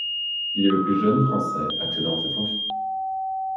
Il est le plus jeune Français accédant à cette fonction.